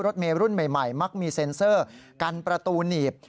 รถเมย์รุ่นใหม่มักมีเซ็นเซอร์กันประตูหนีบ